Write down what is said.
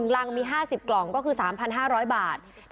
รังมี๕๐กล่องก็คือ๓๕๐๐บาท